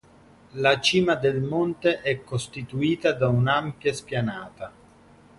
La cima del monte è costituita da un'ampia spianata.